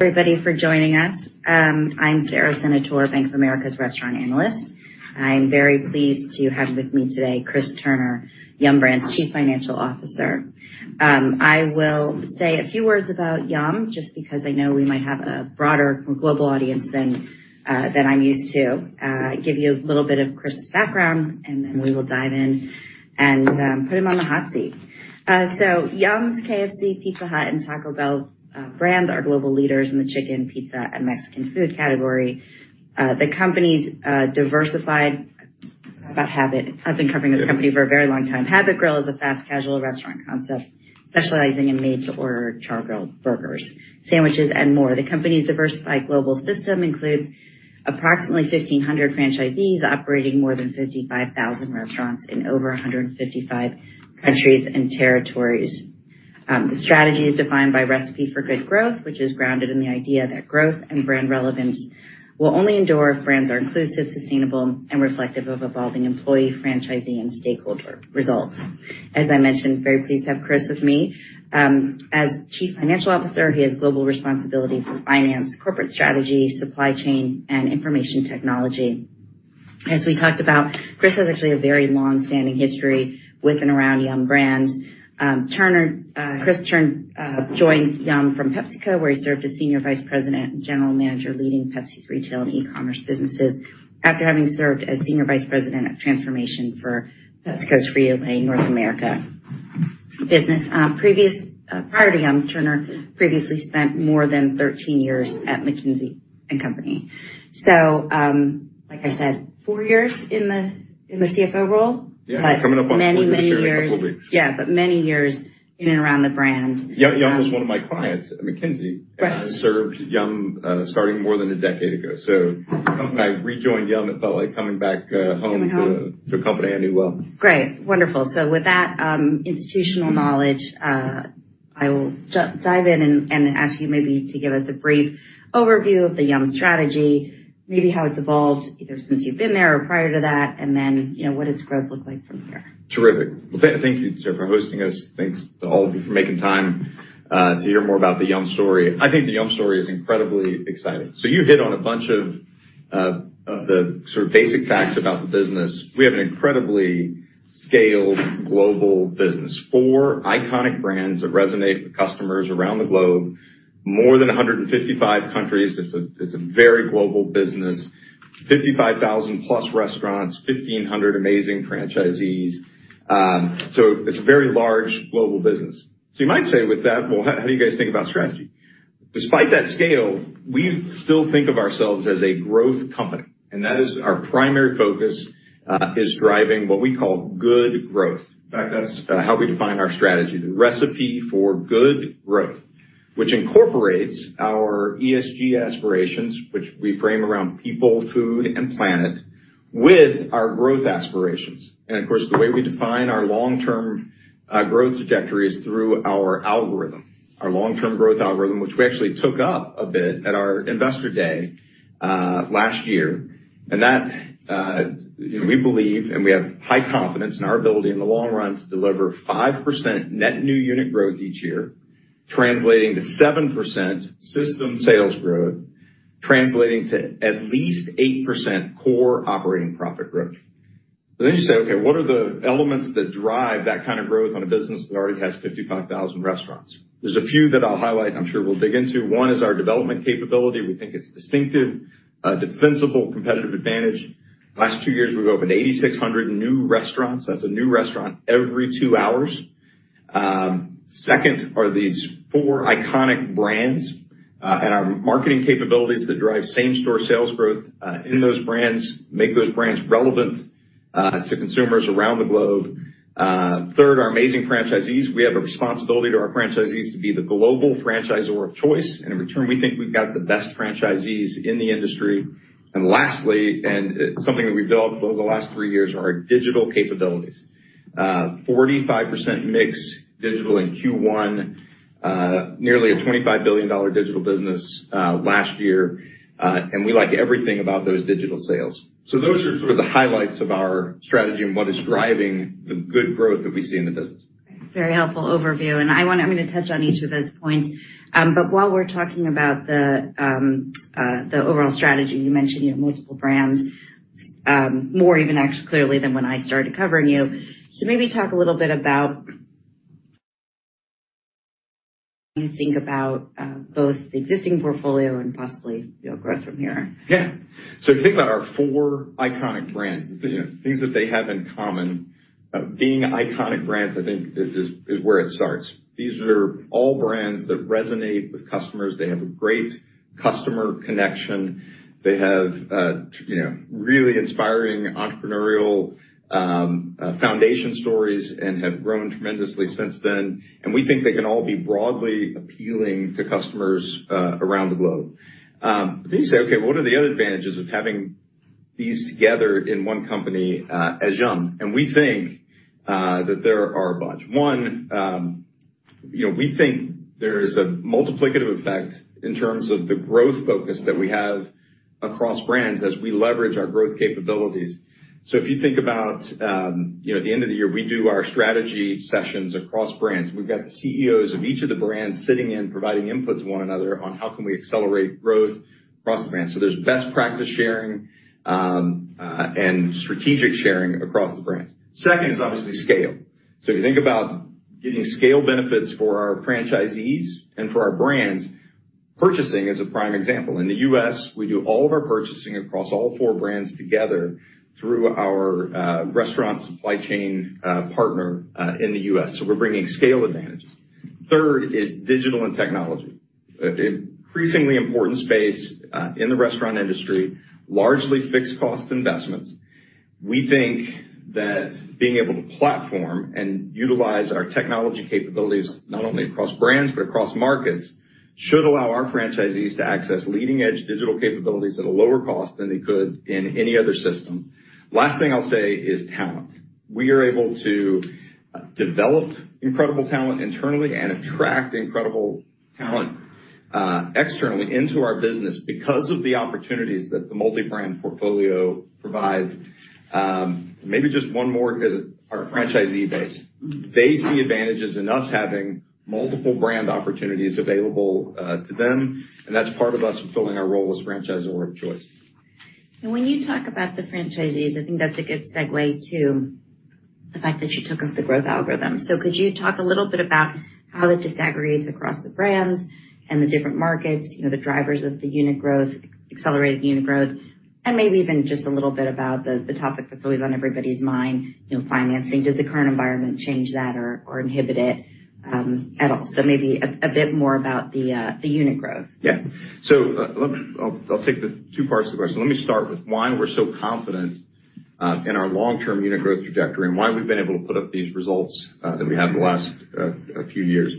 Everybody for joining us. I'm Sara Senatore, Bank of America's restaurant analyst. I'm very pleased to have with me today Chris Turner, Yum! Brands CFO. I will say a few words about Yum!, just because I know we might have a broader, more global audience than I'm used to. Give you a little bit of Chris's background, and then we will dive in and put him on the hot seat. Yum!'s, KFC, Pizza Hut, and Taco Bell brands are global leaders in the chicken, pizza, and Mexican food category. The company's diversified about Habit. I've been covering this company for a very long time. Habit Grill is a fast casual restaurant concept specializing in made-to-order char-grilled burgers, sandwiches, and more. The company's diversified global system includes approximately 1,500 franchisees operating more than 55,000 restaurants in over 155 countries and territories. The strategy is defined by Recipe for Good Growth, which is grounded in the idea that growth and brand relevance will only endure if brands are inclusive, sustainable and reflective of evolving employee, franchisee, and stakeholder results. As I mentioned, very pleased to have Chris with me. As CFO, he has global responsibility for finance, corporate strategy, supply chain, and information technology. As we talked about, Chris has actually a very long-standing history with and around Yum! Brands. Turner, Chris Turner joined Yum! from PepsiCo, where he served as senior vice president and general manager, leading Pepsi's retail and e-commerce businesses after having served as senior vice president of transformation for PepsiCo's Frito-Lay North America business. Prior to Yum!, Turner previously spent more than 13 years at McKinsey & Company. Like I said, four years in the CFO role? Yeah. many years Coming up on four years here in a couple of weeks. Yeah, many years in and around the brand. Yum! was one of my clients at McKinsey. Right. I served Yum!, starting more than a decade ago. When I rejoined Yum!, it felt like coming back home. Coming home. -to a company I knew well. Great. Wonderful. With that, institutional knowledge, I will dive in and ask you maybe to give us a brief overview of the Yum! strategy, maybe how it's evolved, either since you've been there or prior to that, and then, you know, what does growth look like from here? Terrific. Thank you, Sara, for hosting us. Thanks to all of you for making time to hear more about the Yum! story. I think the Yum! story is incredibly exciting. You hit on a bunch of the sort of basic facts about the business. We have an incredibly scaled global business. Four iconic brands that resonate with customers around the globe, more than 155 countries. It's a, it's a very global business. 55,000+ restaurants, 1,500 amazing franchisees. It's a very large global business. You might say with that, "how do you guys think about strategy?" Despite that scale, we still think of ourselves as a growth company, that is our primary focus, is driving what we call good growth. In fact, that's how we define our strategy, the Recipe for Good Growth, which incorporates our ESG aspirations, which we frame around people, food, and planet, with our growth aspirations. Of course, the way we define our long-term growth trajectory is through our algorithm, our long-term growth algorithm, which we actually took up a bit at our investor day last year. We believe, and we have high confidence in our ability in the long run, to deliver 5% net new unit growth each year, translating to 7% system sales growth, translating to at least 8% core operating profit growth. You say, "Okay, what are the elements that drive that kind of growth on a business that already has 55,000 restaurants?" There's a few that I'll highlight, I'm sure we'll dig into. One is our development capability. We think it's distinctive, defensible, competitive advantage. Last two years, we've opened 8,600 new restaurants. That's a new restaurant every two hours. Second are these four iconic brands, and our marketing capabilities that drive same-store sales growth in those brands, make those brands relevant to consumers around the globe. Third, our amazing franchisees. We have a responsibility to our franchisees to be the global franchisor of choice, and in return, we think we've got the best franchisees in the industry. Lastly, and something that we've built over the last three years, are our digital capabilities. 45% mix digital in Q1, nearly a $25 billion digital business last year, and we like everything about those digital sales. Those are sort of the highlights of our strategy and what is driving the good growth that we see in the business. Very helpful overview. I'm going to touch on each of those points. While we're talking about the overall strategy, you mentioned you have multiple brands, more even actually clearly than when I started covering you. Maybe talk a little bit about, you think about both the existing portfolio and possibly growth from here? If you think about our four iconic brands, things that they have in common, being iconic brands, I think is where it starts. These are all brands that resonate with customers. They have a great customer connection. They have really inspiring entrepreneurial foundation stories and have grown tremendously since then. We think they can all be broadly appealing to customers around the globe. Then you say, "What are the other advantages of having these together in one company as Yum!?" We think that there are a bunch. One, we think there is a multiplicative effect in terms of the growth focus that we have across brands as we leverage our growth capabilities. If you think about, you know, at the end of the year, we do our strategy sessions across brands. We've got the CEOs of each of the brands sitting in, providing input to one another on how can we accelerate growth across the brands. There's best practice sharing and strategic sharing across the brands. Second is obviously scale. If you think about getting scale benefits for our franchisees and for our brands, purchasing is a prime example. In the U.S., we do all of our purchasing across all four brands together through our restaurant supply chain partner in the U.S. We're bringing scale advantages. Third is digital and technology. An increasingly important space in the restaurant industry, largely fixed cost investments. We think that being able to platform and utilize our technology capabilities, not only across brands, but across markets, should allow our franchisees to access leading-edge digital capabilities at a lower cost than they could in any other system. Last thing I'll say is talent. We are able to develop incredible talent internally and attract incredible talent externally into our business because of the opportunities that the multi-brand portfolio provides. Maybe just one more, because our franchisee base, they see advantages in us having multiple brand opportunities available to them, and that's part of us fulfilling our role as franchisor of choice. When you talk about the franchisees, that's a good segue to the fact that you took up the growth algorithm. Could you talk a little bit about how that disaggregates across the brands and the different markets, the drivers of the unit growth, accelerated unit growth, and maybe even just a little bit about the topic that's always on everybody's mind, you know, financing. Does the current environment change that or inhibit it at all? Maybe a bit more about the unit growth. Yeah. Let me I'll take the two parts of the question. Let me start with why we're so confident in our long-term unit growth trajectory and why we've been able to put up these results that we had in the last a few years.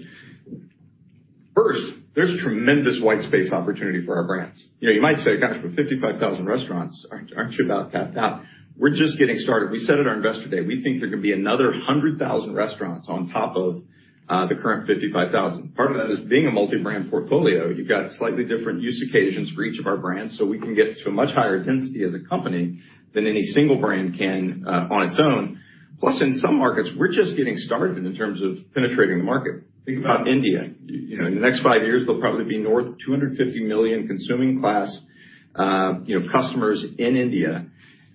First, there's tremendous white space opportunity for our brands. You might say, "Gosh, but 55,000 restaurants, aren't you about tapped out?" We're just getting started. We said at our Investor Day, we think there are going to be another 100,000 restaurants on top of the current 55,000. Part of that is being a multi-brand portfolio. You've got slightly different use occasions for each of our brands, so we can get to a much higher density as a company than any single brand can on its own. Plus, in some markets, we're just getting started in terms of penetrating the market. Think about India, in the next five years, there'll probably be north of 250 million consuming class, customers in India,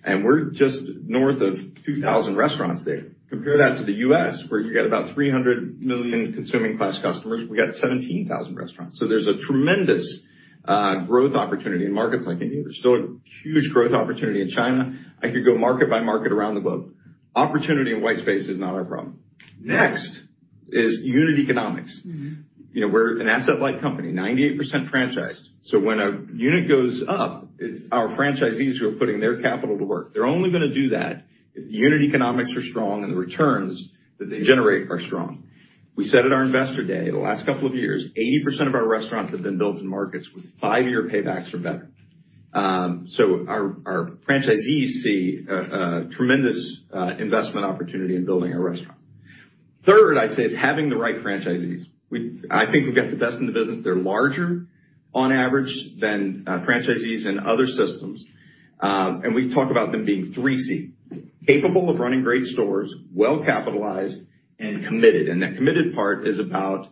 and we're just north of 2,000 restaurants there. Compare that to the U.S., where you got about 300 million consuming class customers. We got 17,000 restaurants, there's a tremendous growth opportunity in markets like India. There's still a huge growth opportunity in China. I could go market by market around the globe. Opportunity in white space is not our problem. Next is unit economics. Mm-hmm. You know, we're an asset-light company, 98% franchised. When a unit goes up, it's our franchisees who are putting their capital to work. They're only going to do that if the unit economics are strong and the returns that they generate are strong. We said at our Investor Day, the last couple of years, 80% of our restaurants have been built in markets with 5-year paybacks or better. Our franchisees see a tremendous investment opportunity in building a restaurant. Third, I'd say, is having the right franchisees. I think we've got the best in the business. They're larger on average than franchisees in other systems. We talk about them being 3 C: capable of running great stores, well-capitalized, and committed. That committed part is about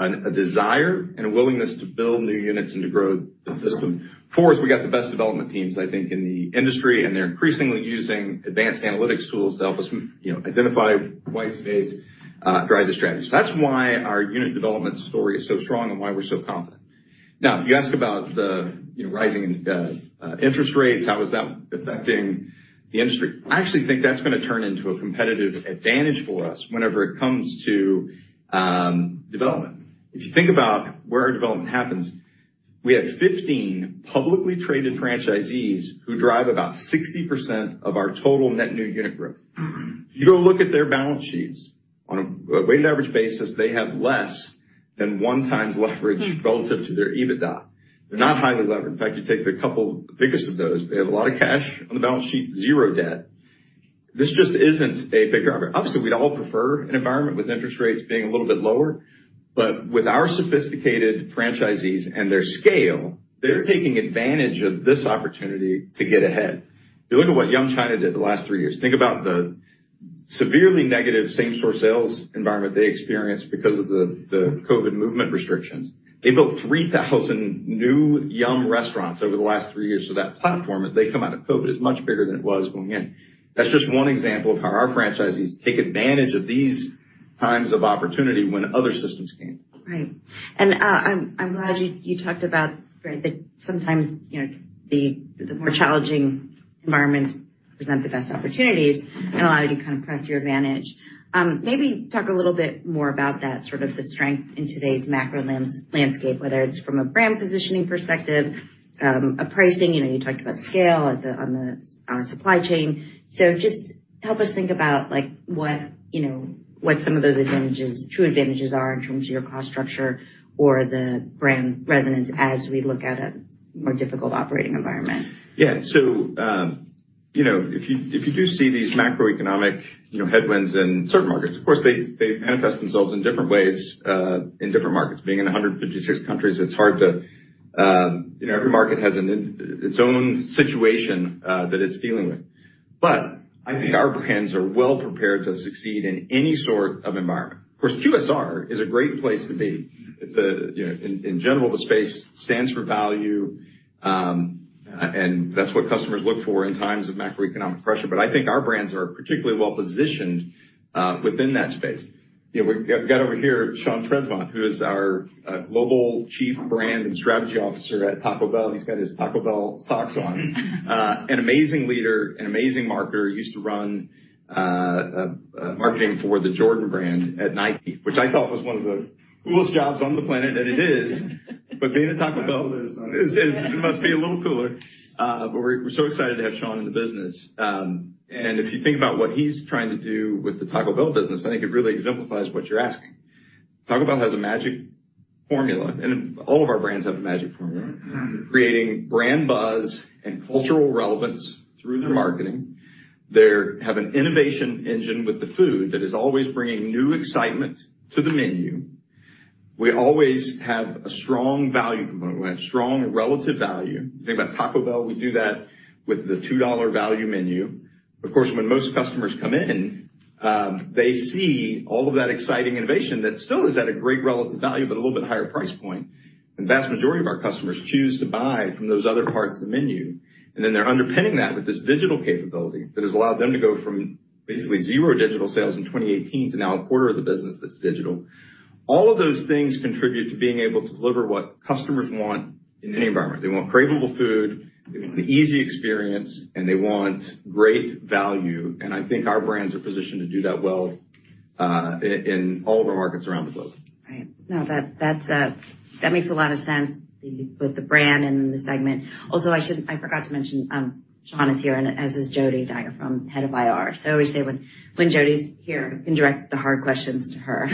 a desire and a willingness to build new units and to grow the system. Fourth, we got the best development teams, I think, in the industry, and they're increasingly using advanced analytics tools to help us, you know, identify white space, drive the strategy. That's why our unit development story is so strong and why we're so confident. You asked about the, you know, rising interest rates, how is that affecting the industry? I actually think that's going to turn into a competitive advantage for us whenever it comes to development. If you think about where our development happens, we have 15 publicly traded franchisees who drive about 60% of our total net new unit growth. If you go look at their balance sheets on a weighted average basis, they have less than 1 time leverage relative to their EBITDA. They're not highly levered. In fact, you take the couple biggest of those, they have a lot of cash on the balance sheet, zero debt. This just isn't a big driver. Obviously, we'd all prefer an environment with interest rates being a little bit lower, but with our sophisticated franchisees and their scale, they're taking advantage of this opportunity to get ahead. If you look at what Yum! China did the last 3 years, think about the severely negative same-store sales environment they experienced because of the COVID movement restrictions. They built 3,000 new Yum! restaurants over the last 3 years. That platform, as they come out of COVID, is much bigger than it was going in. That's just one example of how our franchisees take advantage of these times of opportunity when other systems can't. Right. I'm glad you talked about, right, that sometimes, you know, the more challenging environments present the best opportunities and allow you to kind of press your advantage. Maybe talk a little bit more about that, sort of the strength in today's macro landscape, whether it's from a brand positioning perspective, a pricing, you know, you talked about scale on the supply chain. Just help us think about, like, what, you know, what some of those advantages, true advantages are in terms of your cost structure or the brand resonance as we look at a more difficult operating environment. Yeah. You know, if you, if you do see these macroeconomic, you know, headwinds in certain markets, of course, they manifest themselves in different ways in different markets. Being in 156 countries, it's hard to. You know, every market has its own situation that it's dealing with. I think our brands are well prepared to succeed in any sort of environment. Of course, QSR is a great place to be. You know, in general, the space stands for value, that's what customers look for in times of macroeconomic pressure. I think our brands are particularly well positioned within that space. You know, we've got over here Sean Tresvant, who is our Global Chief Brand and Strategy Officer at Taco Bell. He's got his Taco Bell socks on. An amazing leader, an amazing marketer, used to run marketing for the Jordan Brand at Nike, which I thought was one of the coolest jobs on the planet, and it is. Being at Taco Bell must be a little cooler. We're so excited to have Sean in the business. If you think about what he's trying to do with the Taco Bell business, I think it really exemplifies what you're asking. Taco Bell has a magic formula, and all of our brands have a magic formula: creating brand buzz and cultural relevance through their marketing. They're have an innovation engine with the food that is always bringing new excitement to the menu. We always have a strong value component. We have strong relative value. Think about Taco Bell, we do that with the $2 value menu. Of course, when most customers come in, they see all of that exciting innovation that still is at a great relative value, but a little bit higher price point. The vast majority of our customers choose to buy from those other parts of the menu, and then they're underpinning that with this digital capability that has allowed them to go from basically 0 digital sales in 2018 to now a quarter of the business that's digital. All of those things contribute to being able to deliver what customers want in any environment. They want cravable food, they want an easy experience, and they want great value, and I think our brands are positioned to do that well in all of our markets around the globe. Right. No, that's, that makes a lot of sense, the, with the brand and the segment. Also, I forgot to mention, Sean is here, and as is Jodi Dyer from head of IR. I always say when Jodi's here, you can direct the hard questions to her.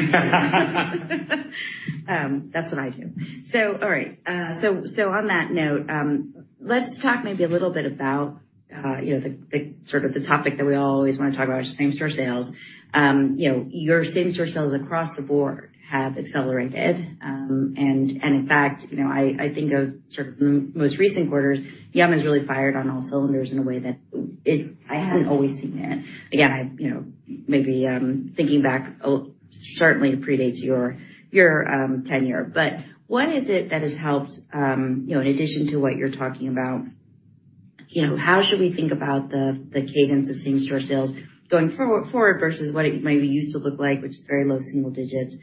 That's what I do. All right, on that note, let's talk maybe a little bit about, the sort of the topic that we always want to talk about, same-store sales. You know, your same-store sales across the board have accelerated. In fact, I think of sort of the most recent quarters, Yum! has really fired on all cylinders in a way that it, I hadn't always seen it. Again, maybe thinking back, oh, certainly predates your tenure, but what is it that has helped, you know, in addition to what you're talking about, how should we think about the cadence of same-store sales going forward versus what it maybe used to look like, which is very low single digits?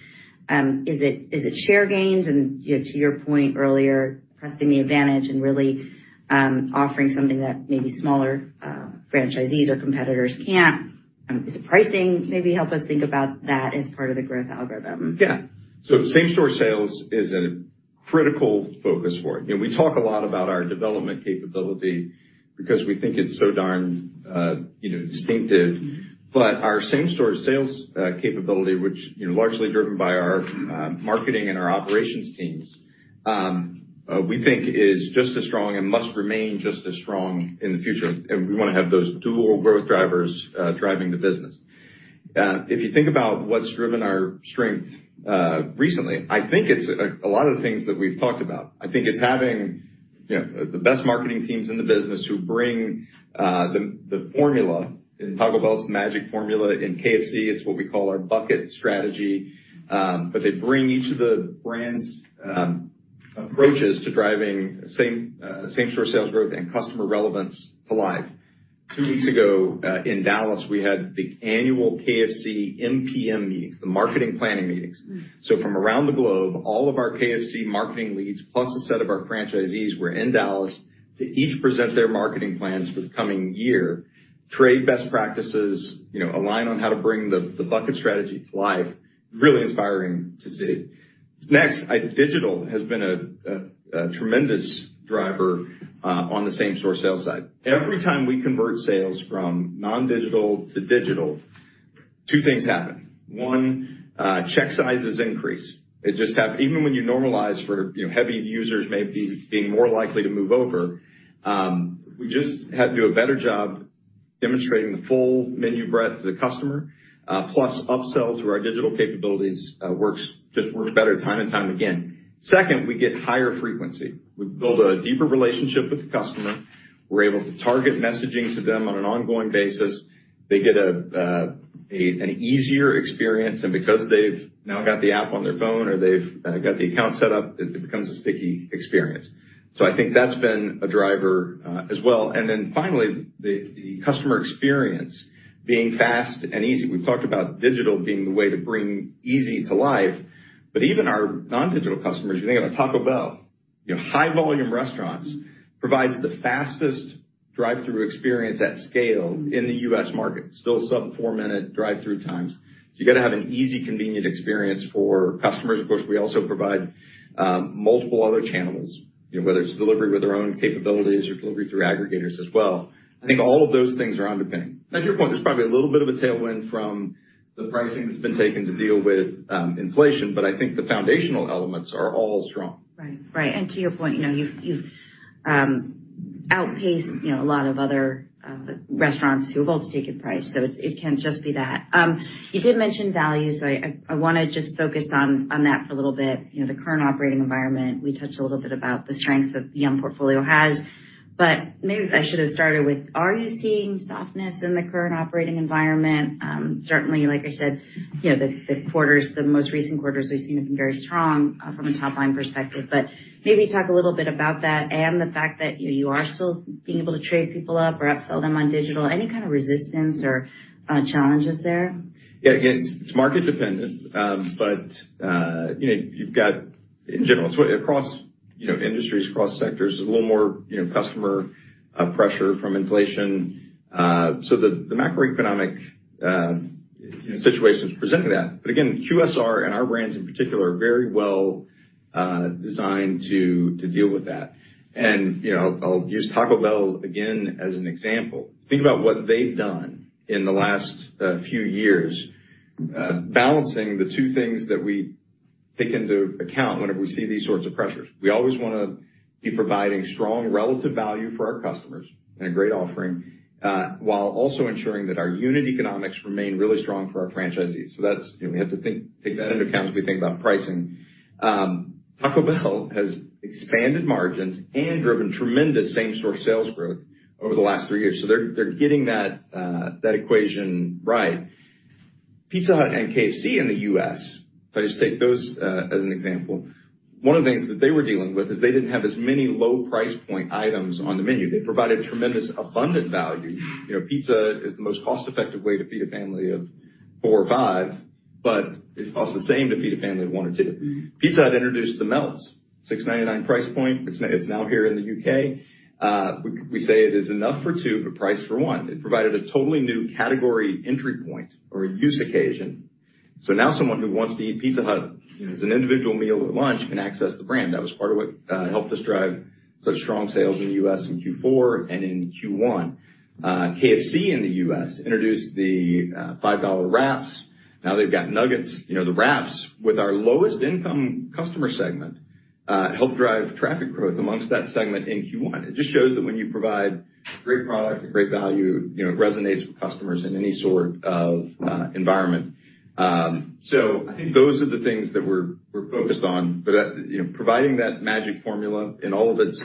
Is it share gains? To your point earlier, pressing the advantage and really offering something that maybe smaller franchisees or competitors can't. Is it pricing? Maybe help us think about that as part of the growth algorithm. Yeah. Same-store sales is a critical focus for it. We talk a lot about our development capability because we think it's so darn, distinctive. Our same-store sales capability, which largely driven by our marketing and our operations teams, we think is just as strong and must remain just as strong in the future, and we want to have those dual growth drivers driving the business. If you think about what's driven our strength recently, I think it's a lot of the things that we've talked about. I think it's having the best marketing teams in the business who bring the formula in Taco Bell's magic formula. In KFC, it's what we call our bucket strategy, but they bring each of the brands approaches to driving same-store sales growth and customer relevance to life. Two weeks ago, in Dallas, we had the annual KFC MPM meetings, the marketing planning meetings. From around the globe, all of our KFC marketing leads, plus a set of our franchisees, were in Dallas to each present their marketing plans for the coming year, trade best practices, you know, align on how to bring the bucket strategy to life. Really inspiring to see. Next, digital has been a tremendous driver on the same-store sales side. Every time we convert sales from non-digital to digital, two things happen: one, check sizes increase. It just even when you normalize for heavy users may be being more likely to move over, we just have to do a better job demonstrating the full menu breadth to the customer, plus upsells where our digital capabilities just works better time and time again. Second, we get higher frequency. We build a deeper relationship with the customer. We're able to target messaging to them on an ongoing basis. They get an easier experience, and because they've now got the app on their phone or they've got the account set up, it becomes a sticky experience. I think that's been a driver as well. Finally, the customer experience being fast and easy. We've talked about digital being the way to bring easy to life, even our non-digital customers, you think about Taco Bell, high-volume restaurants, provides the fastest drive-through experience at scale in the U.S. market. Still sub four-minute drive-through times. You got to have an easy, convenient experience for customers. Of course, we also provide multiple other channels, whether it's delivery with our own capabilities or delivery through aggregators as well. I think all of those things are underpinning. Now, to your point, there's probably a little bit of a tailwind from the pricing that's been taken to deal with inflation, I think the foundational elements are all strong. Right. Right. To your point, you've outpace, you know, a lot of other restaurants who have also taken price, so it's, it can just be that. You did mention value, so I want just focus on that for a little bit. The current operating environment, we touched a little bit about the strength that the Yum! portfolio has. Maybe I should have started with, are you seeing softness in the current operating environment? Certainly, like I said, you know, the quarters, the most recent quarters we've seen have been very strong from a top-line perspective. Maybe talk a little bit about that and the fact that, you are still being able to trade people up or upsell them on digital. Any kind of resistance or challenges there? Yeah, again, it's market dependent. You've got in general, so across industries, across sectors, there's a little more customer pressure from inflation. The macroeconomic situation is presenting that. Again, QSR and our brands in particular, are very well designed to deal with that. I'll use Taco Bell again as an example. Think about what they've done in the last few years, balancing the two things that we take into account whenever we see these sorts of pressures. We always want be providing strong relative value for our customers and a great offering, while also ensuring that our unit economics remain really strong for our franchisees. That's, we have to take that into account as we think about pricing. Taco Bell has expanded margins and driven tremendous same-store sales growth over the last three years. They're getting that equation right. Pizza Hut and KFC in the U.S., if I just take those as an example, one of the things that they were dealing with is they didn't have as many low price point items on the menu. They provided tremendous abundant value. Pizza is the most cost-effective way to feed a family of four or five, but it costs the same to feed a family of one or two. Pizza Hut introduced the Melts, $6.99 price point. It's now here in the U.K.. We say it is enough for two, but priced for one. It provided a totally new category entry point or a use occasion. Now someone who wants to eat Pizza Hut as an individual meal at lunch can access the brand. That was part of what helped us drive such strong sales in the U.S. in Q4 and in Q1. KFC in the U.S. introduced the $5 wraps. Now they've got nuggets the wraps with our lowest income customer segment helped drive traffic growth amongst that segment in Q1. It just shows that when you provide great product and great value, you know, it resonates with customers in any sort of environment. I think those are the things that we're focused on, providing that magic formula in all of its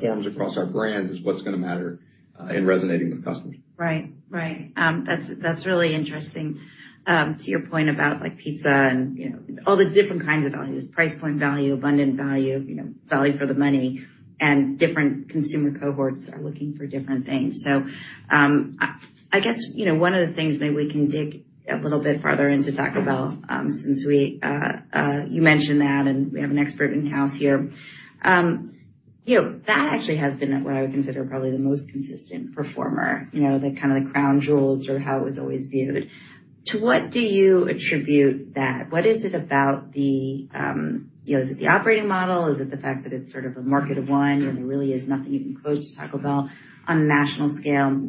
forms across our brands is what's gonna matter in resonating with customers. Right. Right. that's really interesting. To your point about, like, pizza all the different kinds of values, price point value, abundant value, value for the money, and different consumer cohorts are looking for different things. One of the things maybe we can dig a little bit farther into Taco Bell, since we, you mentioned that, and we have an expert in house here. That actually has been what I would consider probably the most consistent performer, the kind of the crown jewels or how it was always viewed. To what do you attribute that? What is it about the, you know, is it the operating model? Is it the fact that it's sort of a market of one, there really is nothing even close to Taco Bell on a national scale?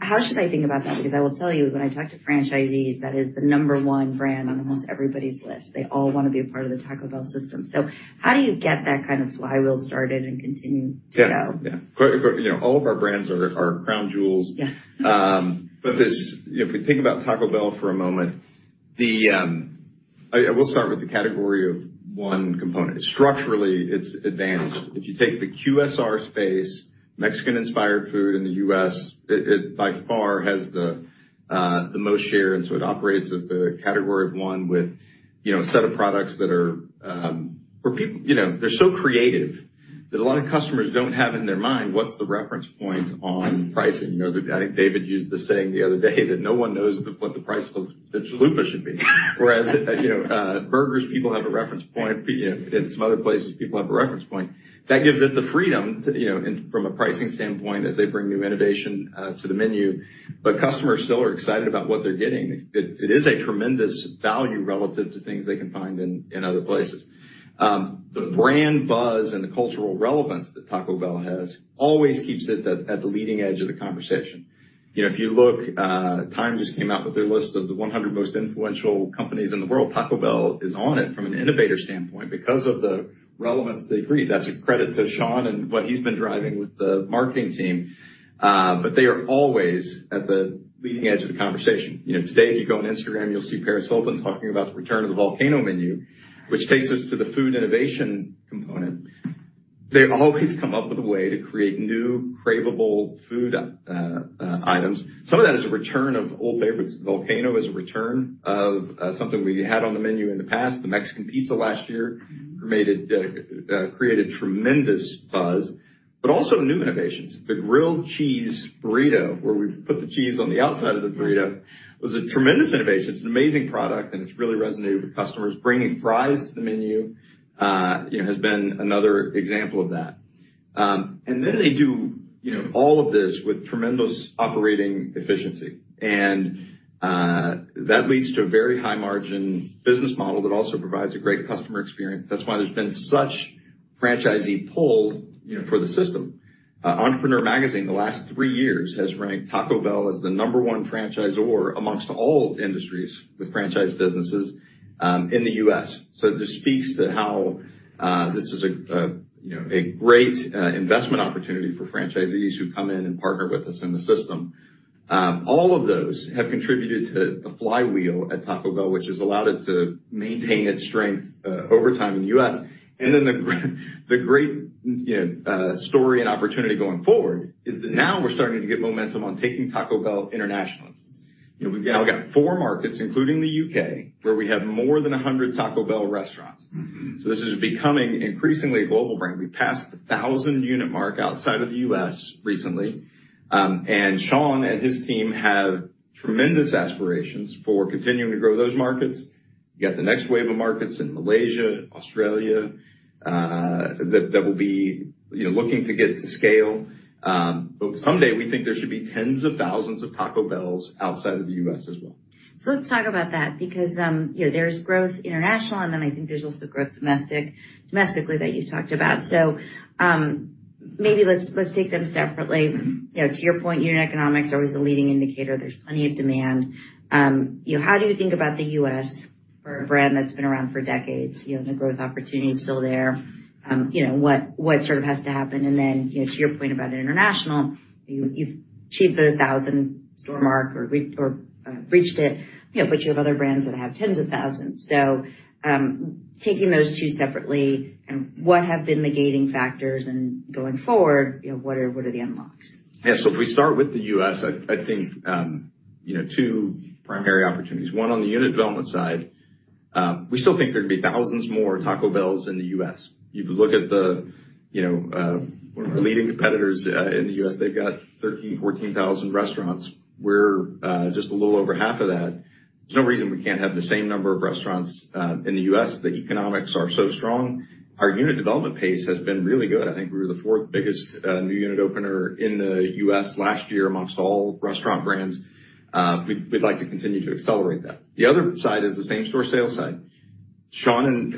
How should I think about that? I will tell you, when I talk to franchisees, that is the number one brand on almost everybody's list. They all want be a part of the Taco Bell system. How do you get that kind of flywheel started and continue to go? Yeah. You know, all of our brands are crown jewels. Yeah. If we think about Taco Bell for a moment, I will start with the category of one component. Structurally, it's advantaged. If you take the QSR space, Mexican-inspired food in the US, it by far has the most share, and so it operates as the category of one with, a set of products that are, you know, they're so creative that a lot of customers don't have in their mind what's the reference point on pricing. I think David used the saying the other day that no one knows what the price of the Chalupa should be. Whereas, burgers, people have a reference point. In some other places, people have a reference point. That gives it the freedom to, from a pricing standpoint, as they bring new innovation to the menu, but customers still are excited about what they're getting. It is a tremendous value relative to things they can find in other places. The brand buzz and the cultural relevance that Taco Bell has always keeps it at the leading edge of the conversation. You know, if you look, TIME just came out with their list of the 100 most influential companies in the world. Taco Bell is on it from an innovator standpoint because of the relevance they create. That's a credit to Sean and what he's been driving with the marketing team. They are always at the leading edge of the conversation. Today, if you go on Instagram, you'll see Paris Hilton talking about the return of the Volcano Menu, which takes us to the food innovation component. They always come up with a way to create new, cravable food items. Some of that is a return of old favorites. Volcano is a return of something we had on the menu in the past. The Mexican Pizza last year created tremendous buzz, but also new innovations. The Grilled Cheese Burrito, where we put the cheese on the outside of the burrito, was a tremendous innovation. It's an amazing product, and it's really resonated with customers. Bringing fries to the menu, has been another example of that. They do, all of this with tremendous operating efficiency. That leads to a very high margin business model that also provides a great customer experience. That's why there's been such franchisee pull, for the system. Entrepreneur Magazine, the last three years, has ranked Taco Bell as the number one franchisor amongst all industries with franchise businesses, in the U.S.. This speaks to how, this is a, you know, a great, investment opportunity for franchisees who come in and partner with us in the system. All of those have contributed to the flywheel at Taco Bell, which has allowed it to maintain its strength, over time in the U.S.. The great story and opportunity going forward is that now we're starting to get momentum on taking Taco Bell internationally. We've now got four markets, including the U.K., where we have more than 100 Taco Bell restaurants. This is becoming increasingly a global brand. We passed the 1,000-unit mark outside of the U.S. recently. Sean and his team have tremendous aspirations for continuing to grow those markets. You have the next wave of markets in Malaysia, Australia, looking to get to scale. Someday we think there should be tens of thousands of Taco Bells outside of the U.S. as well. Let's talk about that because, there's growth international, and then I think there's also growth domestically that you talked about. Maybe let's take them separately. To your point, unit economics are always the leading indicator. There's plenty of demand. How do you think about the U.S. for a brand that's been around for decades? The growth opportunity is still there. What sort of has to happened to your point about international, you've achieved the 1,000-store mark or reached it, but you have other brands that have tens of thousands. Taking those two separately, and what have been the gating factors, and going forward, what are the unlocks? Yeah. If we start with the U.S., I think two primary opportunities. One, on the unit development side, we still think there are going to be thousands more Taco Bells in the U.S. You look at the one of our leading competitors in the U.S., they've got 13,000 to 14,000 restaurants. We're just a little over half of that. There's no reason we can't have the same number of restaurants in the U.S. The economics are so strong. Our unit development pace has been really good. I think we were the fourth biggest new unit opener in the U.S. last year amongst all restaurant brands. We'd like to continue to accelerate that. The other side is the same-store sales side. Sean and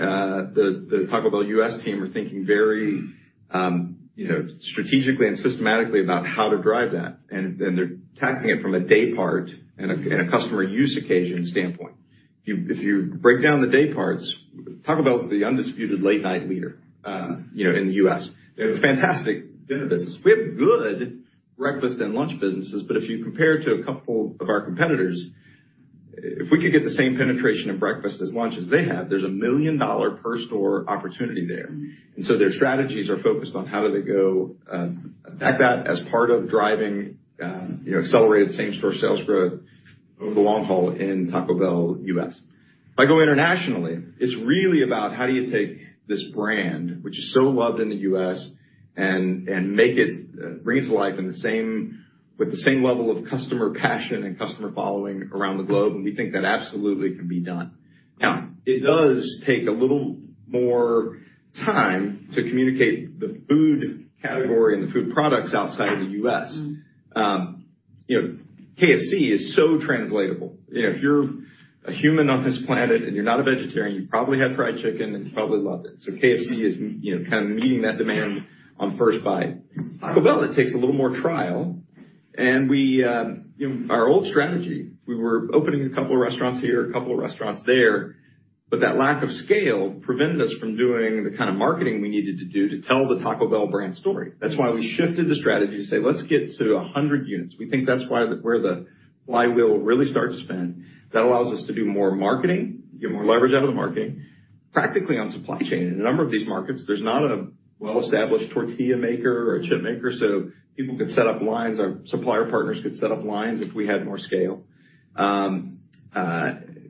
the Taco Bell U.S. team are thinking very, you know, strategically and systematically about how to drive that, and they're tackling it from a day part and a customer use occasion standpoint. If you break down the day parts, Taco Bell is the undisputed late-night leader, in the U.S. They have a fantastic dinner business. We have good breakfast and lunch businesses, but if you compare to a couple of our competitors, if we could get the same penetration in breakfast as lunch as they have, there's a $1 million per store opportunity there. Their strategies are focused on how do they go attack that as part of driving, accelerated same-store sales growth over the long haul in Taco Bell U.S. If I go internationally, it's really about how do you take this brand, which is so loved in the U.S., and make it, bring it to life with the same level of customer passion and customer following around the globe, and we think that absolutely can be done. It does take a little more time to communicate the food category and the food products outside of the U.S.. KFC is so translatable. If you're a human on this planet and you're not a vegetarian, you probably had fried chicken, and you probably loved it. KFC is, you know, kind of meeting that demand on first bite. Taco Bell, it takes a little more trial, and we... Our old strategy, we were opening a couple of restaurants here, a couple of restaurants there, but that lack of scale prevented us from doing the kind of marketing we needed to do to tell the Taco Bell brand story. That's why we shifted the strategy to say: Let's get to 100 units. We think that's why, where the flywheel will really start to spin. That allows us to do more marketing, get more leverage out of the marketing. Practically, on supply chain, in a number of these markets, there's not a well-established tortilla maker or a chip maker, so people could set up lines, our supplier partners could set up lines if we had more scale.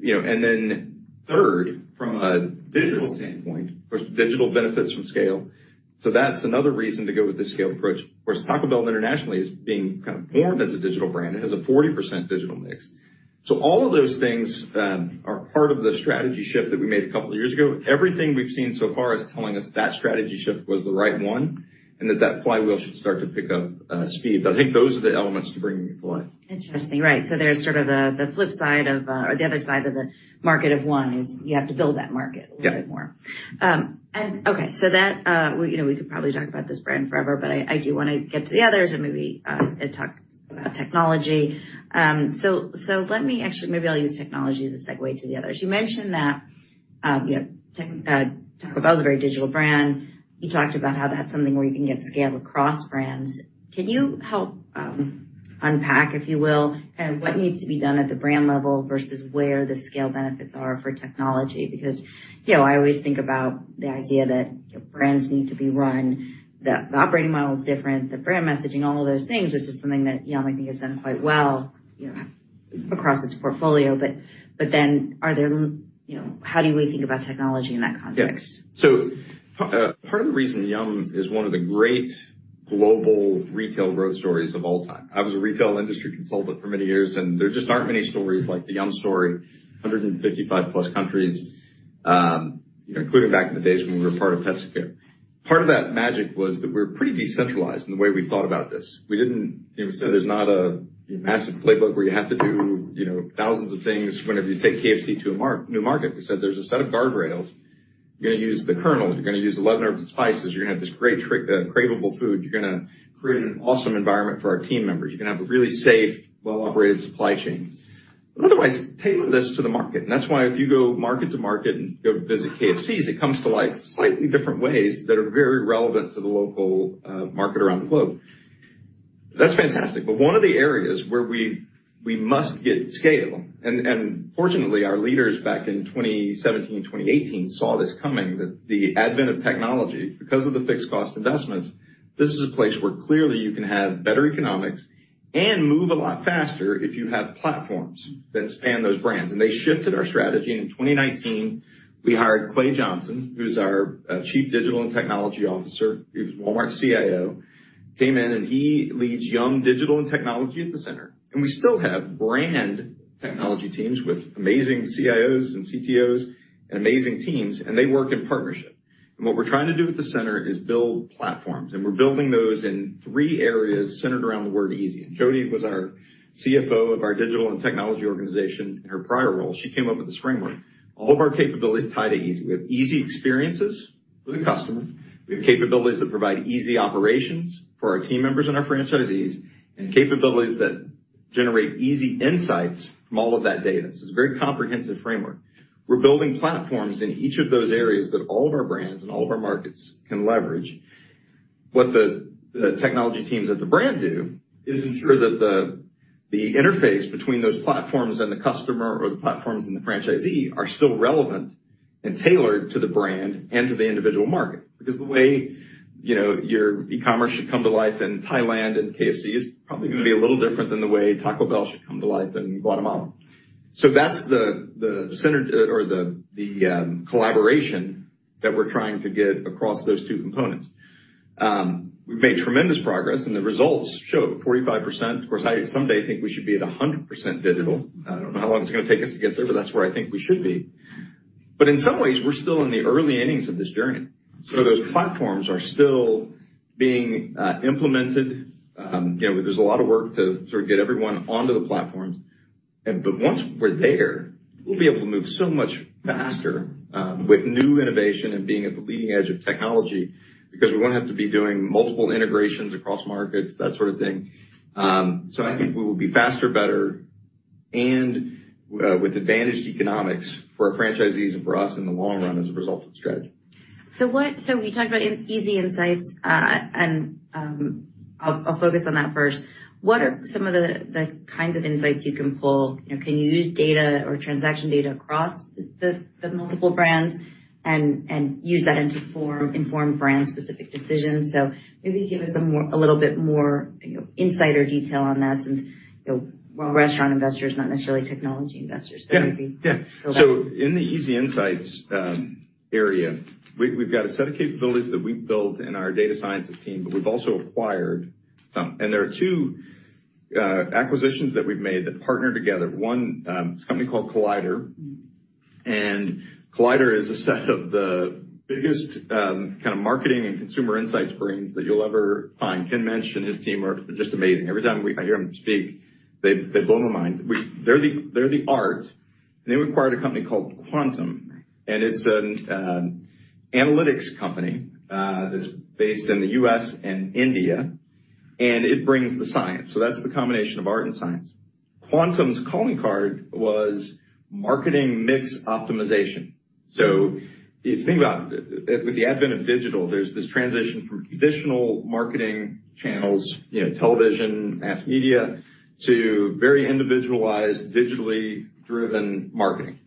You know, third, from a digital standpoint, of course, digital benefits from scale. That's another reason to go with the scale approach. Of course, Taco Bell internationally is being kind of born as a digital brand. It has a 40% digital mix. All of those things are part of the strategy shift that we made a couple of years ago. Everything we've seen so far is telling us that strategy shift was the right one, and that that flywheel should start to pick up speed. I think those are the elements to bringing it to life. Interesting. Right. There's sort of the flip side of, or the other side of the market of one, is you have to build that market- Yeah. a little bit more. Okay, so that, we, you know, we could probably talk about this brand forever, but I do wanna get to the others and maybe, and talk about technology. Actually, maybe I'll use technology as a segue to the others. You mentioned that, tech, Taco Bell is a very digital brand. You talked about how that's something where you can get scale across brands. Can you help unpack, if you will, kind of what needs to be done at the brand level versus where the scale benefits are for technology? Because, I always think about the idea that brands need to be run, the operating model is different, the brand messaging, all of those things, which is something that Yum! I think, has done quite well, across its portfolio. Are there how do we think about technology in that context? Part of the reason Yum! is one of the great global retail growth stories of all time. I was a retail industry consultant for many years, and there just aren't many stories like the Yum! story. 155-plus countries, including back in the days when we were part of PepsiCo. Part of that magic was that we were pretty decentralized in the way we thought about this. There's not a massive playbook where you have to do thousands of things whenever you take KFC to a new market. We said, there's a set of guardrails. You're gonna use the Colonel, you're gonna use 11 herbs and spices. You're going to have this great trick, craveable food. You're going create an awesome environment for our team members. You're going to have a really safe, well-operated supply chain, otherwise, tailor this to the market. That's why if you go market to market and go visit KFCs, it comes to life slightly different ways that are very relevant to the local market around the globe. That's fantastic, one of the areas where we must get scale, and fortunately, our leaders back in 2017, 2018, saw this coming, the advent of technology. Because of the fixed cost investments, this is a place where clearly you can have better economics and move a lot faster if you have platforms that span those brands. They shifted our strategy. In 2019, we hired Clay Johnson, who's our Chief Digital and Technology Officer. He was Walmart's CIO, came in, and he leads Yum! digital and technology at the center. We still have brand technology teams with amazing CIOs and CTOs and amazing teams, and they work in partnership. What we're trying to do at the center is build platforms, and we're building those in three areas centered around the word easy. Jodi was our CFO of our Digital and Technology Organization. In her prior role, she came up with this framework. All of our capabilities tie to easy. We have easy experiences for the customer. We have capabilities that provide easy operations for our team members and our franchisees, and capabilities that generate easy insights from all of that data. It's a very comprehensive framework. We're building platforms in each of those areas that all of our brands and all of our markets can leverage. What the technology teams at the brand do is ensure that the interface between those platforms and the customer or the platforms and the franchisee are still relevant and tailored to the brand and to the individual market. The way your e-commerce should come to life in Thailand and KFC is probably going to be a little different than the way Taco Bell should come to life in Guatemala. That's the synergy or the collaboration that we're trying to get across those two components. We've made tremendous progress, and the results show 45%. Of course, I someday think we should be at 100% digital. I don't know how long it's going to take us to get there, but that's where I think we should be. In some ways, we're still in the early innings of this journey, so those platforms are still being implemented. There's a lot of work to sort of get everyone onto the platforms. Once we're there, we'll be able to move so much faster, with new innovation and being at the leading edge of technology, because we won't have to be doing multiple integrations across markets, that sort of thing. I think we will be faster, better, and with advantaged economics for our franchisees and for us in the long run, as a result of the strategy. You talked about easy insights, and I'll focus on that first. What are some of the kinds of insights you can pull? Can you use data or transaction data across the multiple brands and use that to inform brand-specific decisions? Maybe give us a little bit more insight or detail on that since we're restaurant investors, not necessarily technology investors. Yeah. Yeah. So- In the easy insights area, we've got a set of capabilities that we've built in our data sciences team, but we've also acquired some. There are two acquisitions that we've made that partner together. One, a company called Collider. Collider is a set of the biggest kind of marketing and consumer insights brains that you'll ever find. Ken Muench and his team are just amazing. Every time I hear him speak, they blow my mind. They're the art, and they acquired a company called Kvantum, and it's an analytics company that's based in the U.S. and India, and it brings the science. That's the combination of art and science. Kvantum's calling card was marketing mix optimization. If you think about it, with the advent of digital, there's this transition from marketing channels, television, mass media, to very individualized, digitally driven marketing.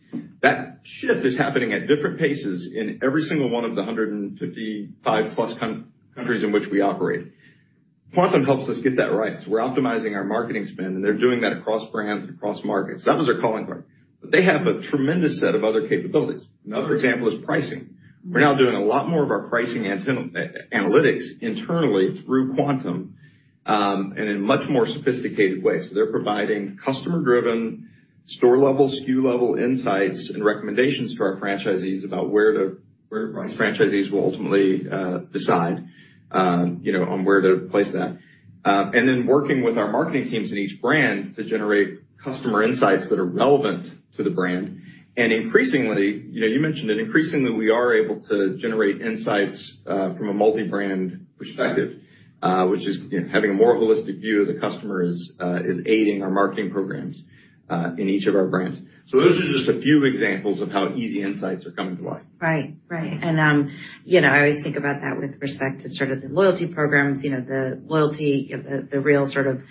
That shift is happening at different paces in every single one of the 155 plus countries in which we operate. Kvantum helps us get that right. We're optimizing our marketing spend, and they're doing that across brands and across markets. That was their calling card. They have a tremendous set of other capabilities. Another example is pricing. We're now doing a lot more of our pricing analytics internally through Kvantum and in much more sophisticated ways. They're providing customer-driven, store-level, SKU-level insights and recommendations to our franchisees about where to price. Franchisees will ultimately decide, on where to place that. Working with our marketing teams in each brand to generate customer insights that are relevant to the brand. Increasingly, you mentioned that increasingly we are able to generate insights from a multi-brand perspective, which is, having a more holistic view of the customer is aiding our marketing programs in each of our brands. Those are just a few examples of how easy insights are coming to life. Right. I always think about that with respect to sort of the loyalty programs, the loyalty, the real sort of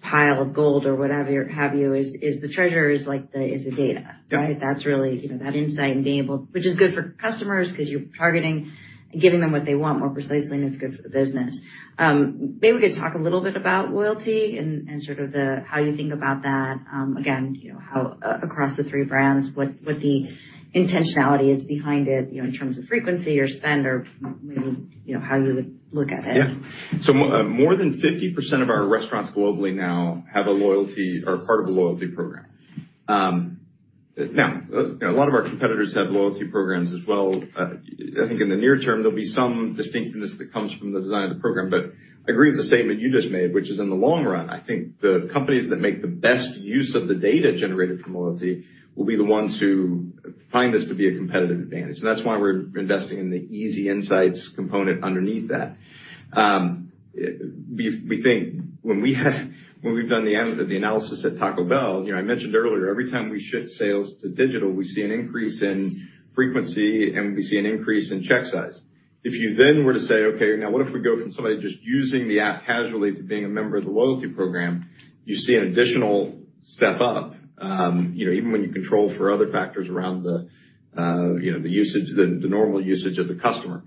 pile of gold or whatever have you, is the treasure, is like the data, right? That's really that insight and being able, which is good for customers because you're targeting and giving them what they want more precisely, and it's good for the business. Maybe we could talk a little bit about loyalty and sort of the. How you think about that. Again, how across the three brands, what the intentionality is behind it in terms of frequency or spend or maybe, how you would look at it? Yeah. More than 50% of our restaurants globally now have a loyalty or are part of a loyalty program. Now, a lot of our competitors have loyalty programs as well. I think in the near term, there'll be some distinctiveness that comes from the design of the program. I agree with the statement you just made, which is in the long run, I think the companies that make the best use of the data generated from loyalty will be the ones who find this to be a competitive advantage, and that's why we're investing in the easy insights component underneath that. We think when we've done the analysis at Taco Bell, I mentioned earlier, every time we shift sales to digital, we see an increase in frequency, and we see an increase in check size. If you then were to say, "Okay, now what if we go from somebody just using the app casually to being a member of the loyalty program?" You see an additional step up, you know, even when you control for other factors around the the usage, the normal usage of the customer.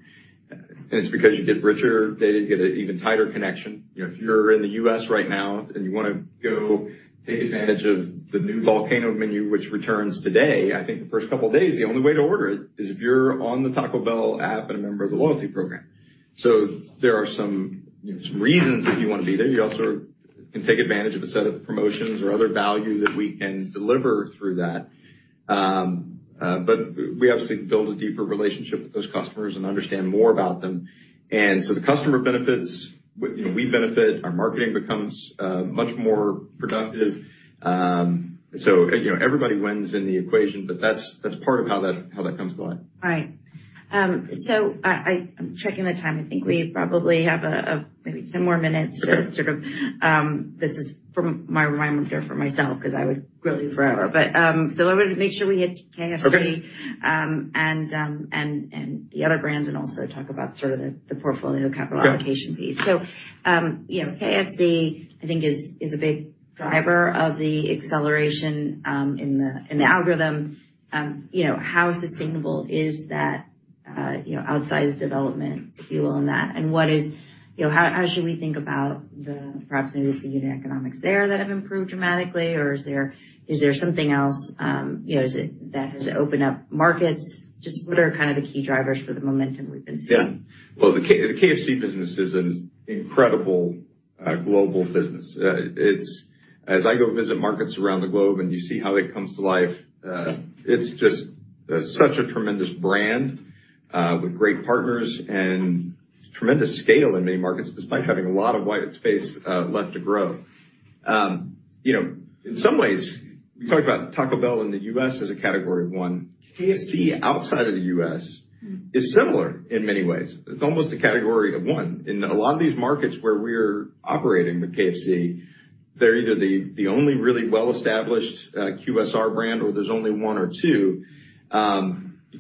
It's because you get richer, they get an even tighter connection. If you're in the US right now, and you want go take advantage of the new Volcano Menu, which returns today, I think the first couple of days, the only way to order it is if you're on the Taco Bell app and a member of the loyalty program. There are some reasons that you want to be there. You also can take advantage of a set of promotions or other value that we can deliver through that. We obviously build a deeper relationship with those customers and understand more about them. The customer benefits, we, you know, we benefit, our marketing becomes much more productive. You know, everybody wins in the equation, but that's part of how that comes to life. Right. I'm checking the time. I think we probably have, maybe 10 more minutes to sort of, this is from my reminder for myself, because I would go on forever. I wanted to make sure we hit KFC, and the other brands, and also talk about sort of the portfolio capital allocation piece. Yeah. KFC is a big driver of the acceleration, in the algorithm. How sustainable is that, you know, outside of development, if you will, on that? What is? How should we think about the proximity to the unit economics there that have improved dramatically? Is there something else, is it, that has opened up markets? Just what are kind of the key drivers for the momentum we've been seeing? Well, the KFC business is an incredible global business. As I go visit markets around the globe, and you see how it comes to life, it's just such a tremendous brand with great partners and tremendous scale in many markets, despite having a lot of white space left to grow. In some ways, we talked about Taco Bell in the US as a category one. KFC outside of the US is similar in many ways. It's almost a category of one. In a lot of these markets where we're operating with KFC, they're either the only really well-established QSR brand, or there's only one or two.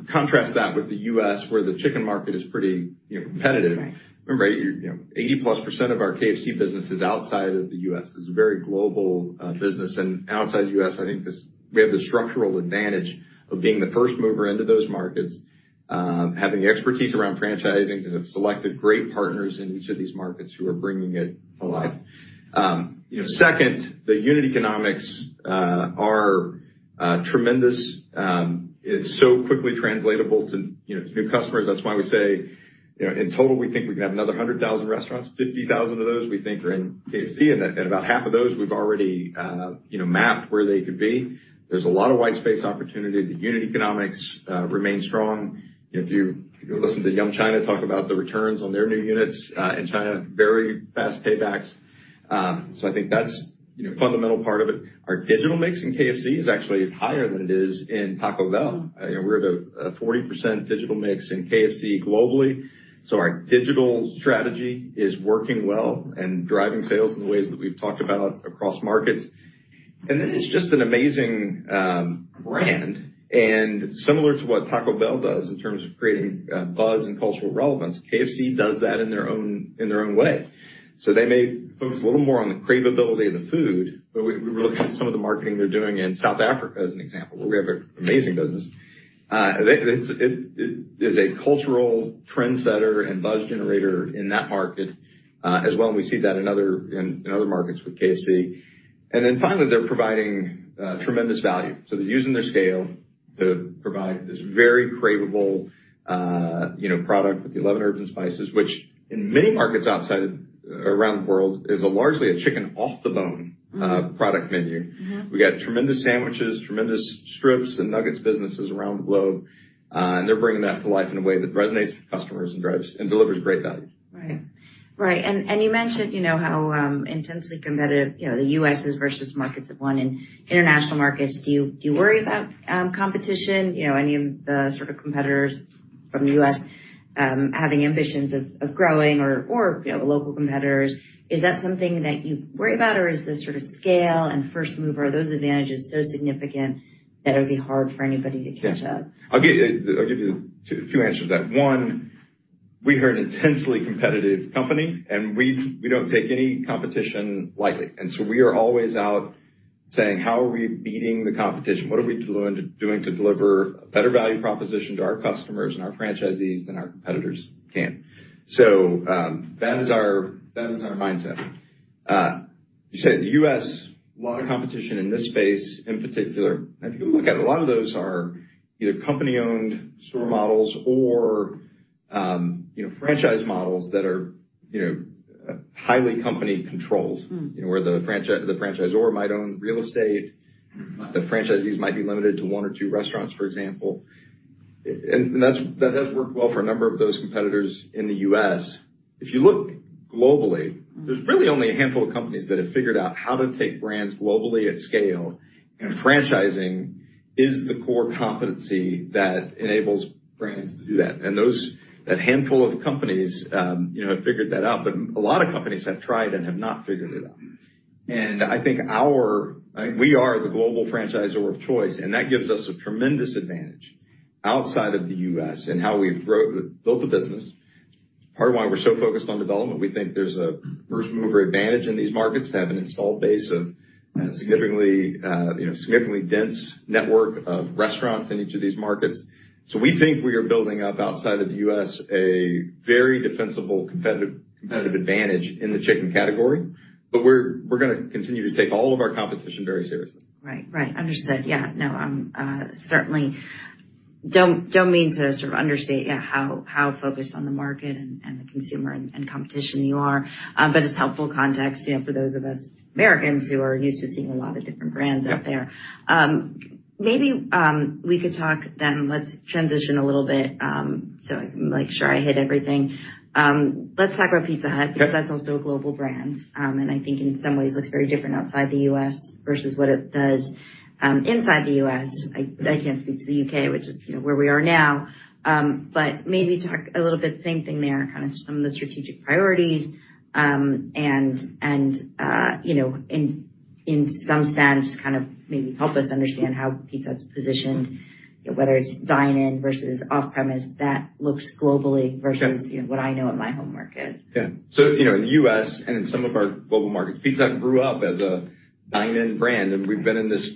Contrast that with the US, where the chicken market is pretty competitive. Right. Remember, 80+% of our KFC business is outside of the U.S.. It's a very global business. Outside the U.S., I think we have the structural advantage of being the first mover into those markets, having expertise around franchising, and have selected great partners in each of these markets who are bringing it to life. Second, the unit economics are tremendous. It's so quickly translatable to new customers. That's why we say, in total, we think we can have another 100,000 restaurants. 50,000 of those we think are in KFC, and about half of those we've already mapped where they could be. There's a lot of white space opportunity. The unit economics remain strong. If you listen to Yum! China talk about the returns on their new units, in China, very fast paybacks. I think that's fundamental part of it. Our digital mix in KFC is actually higher than it is in Taco Bell. Mm. We're at a 40% digital mix in KFC globally. Our digital strategy is working well and driving sales in the ways that we've talked about across markets. It's just an amazing brand, and similar to what Taco Bell does in terms of creating buzz and cultural relevance, KFC does that in their own way. They may focus a little more on the cravability of the food, but we look at some of the marketing they're doing in South Africa, as an example, where we have an amazing business. It is a cultural trendsetter and buzz generator in that market as well, and we see that in other markets with KFC. Finally, they're providing tremendous value. They're using their scale to provide this very cravable product with the 11 Herbs and Spices, which in many markets outside, around the world, is largely a chicken off the bone, product menu. Mm-hmm. We got tremendous sandwiches, tremendous strips and nuggets businesses around the globe. They're bringing that to life in a way that resonates with customers and delivers great value. Right. You mentioned how intensely competitive the U.S. is versus markets of one in international markets. Do you worry about competition, any of the sort of competitors from the U.S. having ambitions of growing or local competitors? Is that something that you worry about, or is the sort of scale and first mover, are those advantages so significant that it would be hard for anybody to catch up? I'll give you two answers to that. One, we are an intensely competitive company. We don't take any competition lightly. We are always out saying: How are we beating the competition? What are we doing to deliver a better value proposition to our customers and our franchisees than our competitors can? That is our mindset. You said the U.S., a lot of competition in this space in particular. If you look at it, a lot of those are either company-owned store models or, you know, franchise models that are, you know, highly company controlled, you know, where the franchisor might own real estate, the franchisees might be limited to one or two restaurants, for example. That has worked well for a number of those competitors in the U.S. If you look globally, there's really only a handful of companies that have figured out how to take brands globally at scale, and franchising is the core competency that enables brands to do that. That handful of companies, you know, have figured that out, but a lot of companies have tried and have not figured it out. I think we are the global franchisor of choice, and that gives us a tremendous advantage outside of the U.S. in how we've built the business. Part of why we're so focused on development, we think there's a first-mover advantage in these markets to have an installed base of significantly, you know, significantly dense network of restaurants in each of these markets. We think we are building up outside of the U.S., a very defensible, competitive advantage in the chicken category, but we're gonna continue to take all of our competition very seriously. Right. Understood. Yeah, no, I certainly don't mean to sort of understate, yeah, how focused on the market and the consumer and competition you are, it's helpful context, you know, for those of us Americans who are used to seeing a lot of different brands out there. Maybe, we could talk, then let's transition a little bit, so I can make sure I hit everything. Let's talk about Pizza Hut. Yep. That's also a global brand, and I think in some ways looks very different outside the U.S. versus what it does, inside the U.S. I can't speak to the U.K., which is where we are now, but maybe talk a little bit, same thing there, kind of some of the strategic priorities, and, you know, in some sense, kind of maybe help us understand how Pizza Hut's positioned, whether it's dine-in versus off-premise, that looks globally versus. Sure. What I know in my home market. Yeah. In the U.S. and in some of our global markets, Pizza Hut grew up as a dine-in brand, and we've been in this,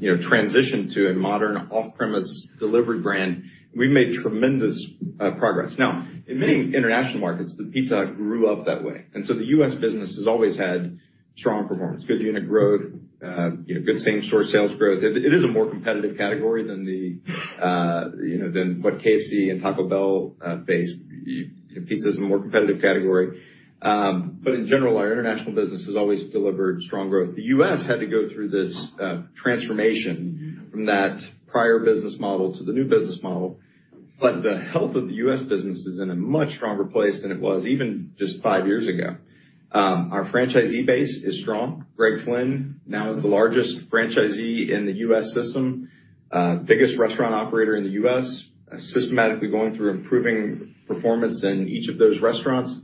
you know, transition to a modern, off-premise delivery brand. We've made tremendous progress. In many international markets, the Pizza Hut grew up that way, and so the U.S. business has always had strong performance, good unit growth, you know, good same-store sales growth. It, it is a more competitive category than the, you know, than what KFC and Taco Bell face. Pizza is a more competitive category. In general, our international business has always delivered strong growth. The U.S. had to go through this transformation from that prior business model to the new business model. The health of the U.S. business is in a much stronger place than it was even just five years ago. Our franchisee base is strong. Greg Flynn now is the largest franchisee in the U.S. system, biggest restaurant operator in the U.S., systematically going through improving performance in each of those restaurants.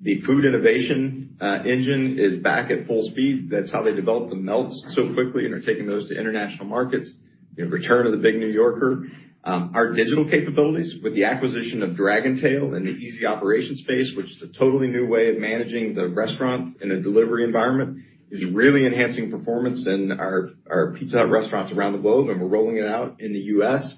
The food innovation engine is back at full speed. That's how they developed the Melts so quickly and are taking those to international markets. Return of The Big New Yorker. Our digital capabilities with the acquisition of Dragontail in the easy operation space, which is a totally new way of managing the restaurant in a delivery environment, is really enhancing performance in our Pizza Hut restaurants around the globe, and we're rolling it out in the U.S.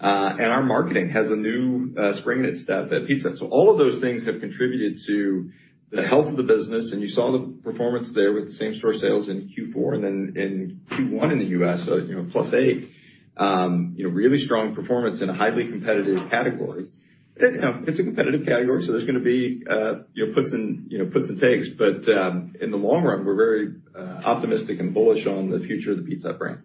Our marketing has a new spring in its step at Pizza Hut. All of those things have contributed to the health of the business, and you saw the performance there with the same-store sales in Q4 and then in Q1 in the U.S.+8%. Really strong performance in a highly competitive category. It's a competitive category, so there's going to be puts and takes, but in the long run, we're very optimistic and bullish on the future of the Pizza Hut brand.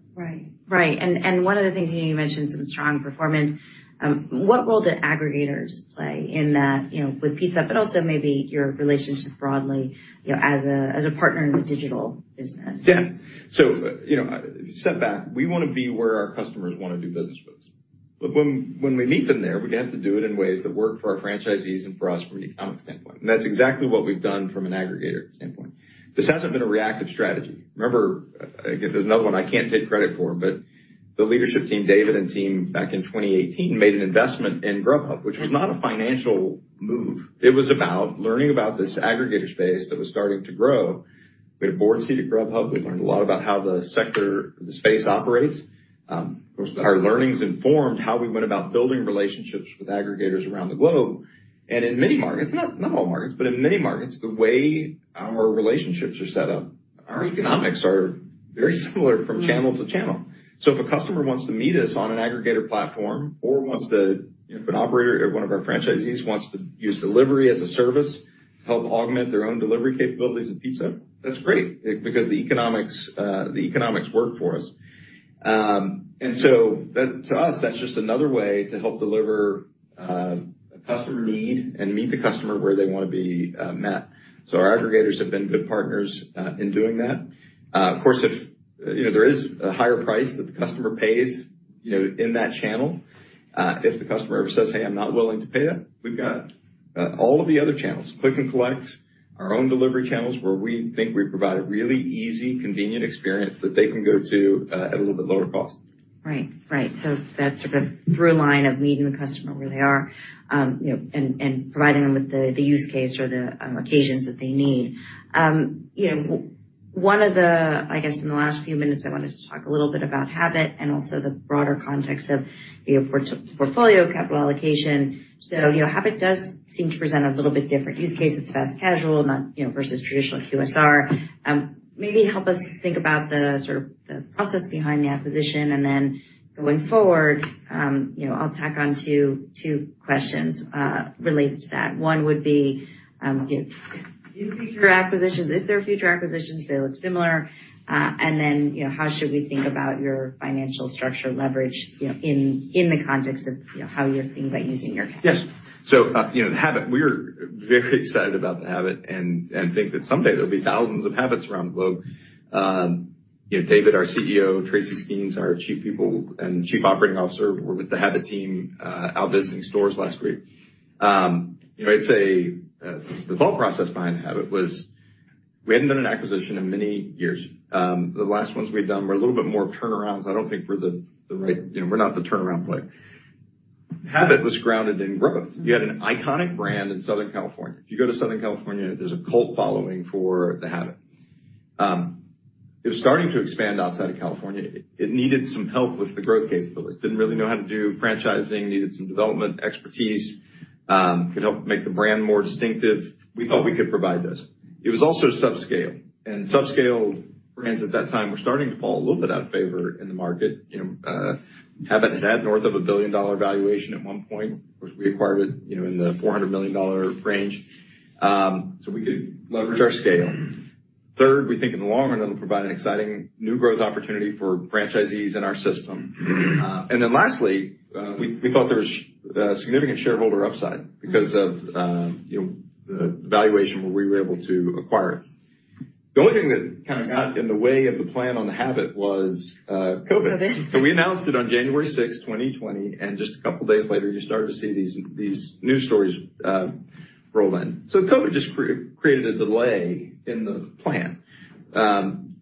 Right, one of the things you mentioned some strong performance. What role do aggregators play in that with Pizza Hut, but also maybe your relationship broadly as a partner in the digital business? A step back, we want to be where our customers want to do business with us. When we meet them there, we have to do it in ways that work for our franchisees and for us from an economic standpoint. That's exactly what we've done from an aggregator standpoint. Remember, again, this is another one I can't take credit for, but the leadership team, David and team, back in 2018, made an investment in Grubhub, which was not a financial move. It was about learning about this aggregator space that was starting to grow. We had a board seat at Grubhub. We learned a lot about how the sector, the space operates. Our learnings informed how we went about building relationships with aggregators around the globe. In many markets, not all markets, but in many markets, the way our relationships are set up, our economics are very similar from channel to channel. If a customer wants to meet us on an aggregator platform or wants to, if an operator or one of our franchisees wants to use delivery as a service to help augment their own delivery capabilities of Pizza Hut, that's great because the economics work for us. That to us, that's just another way to help deliver a customer need and meet the customer where they want to be met. Our aggregators have been good partners in doing that. Of course, if there is a higher price that the customer pays, in that channel, if the customer ever says: Hey, I'm not willing to pay that, we've got, all of the other channels, click and collect, our own delivery channels, where we think we provide a really easy, convenient experience that they can go to, at a little bit lower cost. Right. Right. That's sort of through line of meeting the customer where they are, you know, and providing them with the use case or the occasions that they need. In the last few minutes, I wanted to talk a little bit about Habit and also the broader context of the portfolio capital allocation. Habit does seem to present a little bit different use case. It's fast casual, not versus traditional QSR. Maybe help us think about the sort of the process behind the acquisition, and then going forward, I'll tack on two questions related to that. One would be, do future acquisitions, if there are future acquisitions, they look similar. How should we think about your financial structure leverage in the context of how you're thinking about using your cash? Yes. Habit, we are very excited about the Habit and think that someday there'll be thousands of Habits around the globe. David, our CEO, Tracy Skeans, our Chief People and COO, were with the Habit team, out visiting stores last week. I'd say, the thought process behind Habit was we hadn't done one acquisition in many years. The last ones we've done were a little bit more turnarounds. I don't think we're the right. You know, we're not the turnaround play. Habit was grounded in growth. We had an iconic brand in Southern California. If you go to Southern California, there's a cult following for the Habit. It was starting to expand outside of California. It, it needed some help with the growth capabilities. Didn't really know how to do franchising, needed some development expertise, could help make the brand more distinctive. We thought we could provide this. It was also subscale, and subscale brands at that time were starting to fall a little bit out of favor in the market. You know, Habit had north of a $1 billion valuation at one point, which we acquired it, you know, in the $400 million range. We could leverage our scale. Third, we think in the long run, it'll provide an exciting new growth opportunity for franchisees in our system. Lastly, we thought there was significant shareholder upside because of, you know, the valuation where we were able to acquire it. The only thing that kind of got in the way of the plan on the Habit was COVID. COVID. We announced it on 6 January 2020, and just a couple of days later, you started to see these news stories roll in. COVID just created a delay in the plan.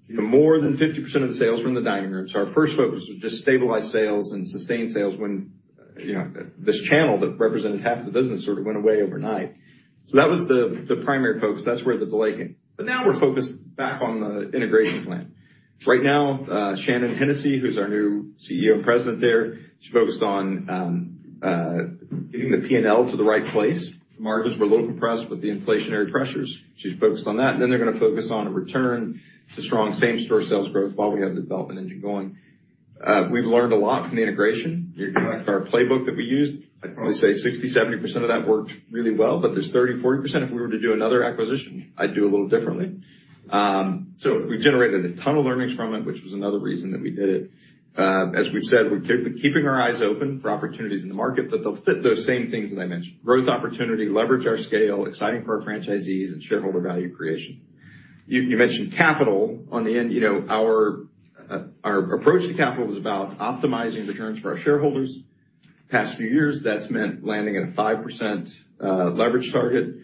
More than 50% of the sales were in the dining room, so our first focus was just stabilize sales and sustain sales when, you know, this channel that represented half the business sort of went away overnight. That was the primary focus. That's where the delay came. Now we're focused back on the integration plan. Right now, Shannon Hennessy, who's our new CEO and president there, she's focused on getting the PNL to the right place. Margins were a little compressed with the inflationary pressures. She's focused on that. They're gonna focus on a return to strong same-store sales growth while we have the development engine going. We've learned a lot from the integration. If you look at our playbook that we used, I'd probably say 60% to 70% of that worked really well, but there's 30% to 40% if we were to do another acquisition, I'd do a little differently. We've generated a ton of learnings from it, which was another reason that we did it. As we've said, we're keeping our eyes open for opportunities in the market, but they'll fit those same things that I mentioned: growth, opportunity, leverage our scale, exciting for our franchisees and shareholder value creation. You mentioned capital on the end, you know, our approach to capital is about optimizing returns for our shareholders. Past few years, that's meant landing at a 5% leverage target.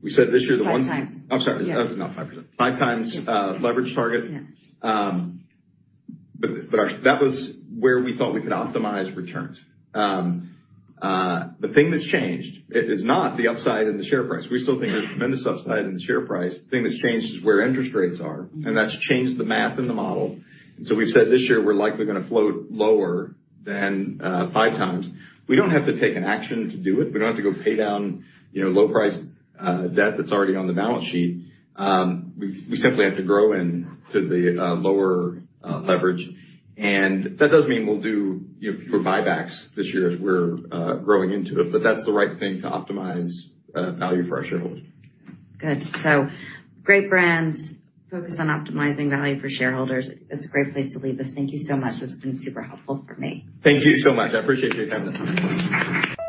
We said this year. Five times. I'm sorry, not 5%. Five times leverage target. Yes. That was where we thought we could optimize returns. The thing that's changed is not the upside in the share price. We still think there's tremendous upside in the share price. The thing that's changed is where interest rates are, and that's changed the math in the model. We've said this year, we're likely going to flow lower than five times. We don't have to take an action to do it. We don't have to go pay down, you know, low price debt that's already on the balance sheet. We simply have to grow in to the lower leverage, and that does mean we'll do fewer buybacks this year as we're growing into it, but that's the right thing to optimize value for our shareholders. Good. Great brands focus on optimizing value for shareholders. It's a great place to leave this. Thank you so much. This has been super helpful for me. Thank you so much. I appreciate you having us.